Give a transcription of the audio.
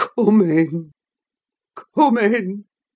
"Come in! come in!"